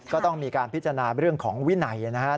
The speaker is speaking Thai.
ก็ต้องมีการพิจารณาเรื่องของวินัยนะครับ